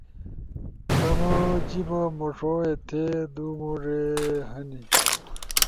تمو جیِبا مُوݜو ایتھے۔ دُو مُوڙے ہنے۔